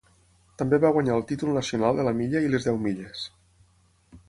També va guanyar el títol nacional de la milla i les deu milles.